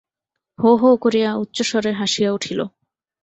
হো হো করিয়া উচ্চস্বরে হাসিয়া উঠিল।